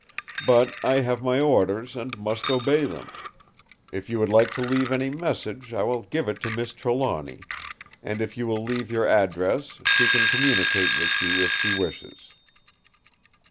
But I have my orders, and must obey them. If you would like to leave any message, I will give it to Miss Trelawny; and if you will leave your address, she can communicate with you if she wishes."